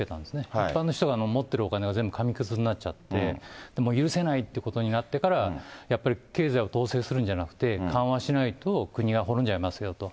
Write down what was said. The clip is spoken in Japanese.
一般の人が持ってるお金が全部紙くずになっちゃって、もう許せないってことになってから、やっぱり経済を統制するんじゃなくて緩和しないと国が滅んじゃいますよと。